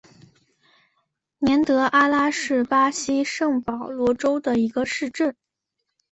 年德阿拉是巴西圣保罗州的一个市镇。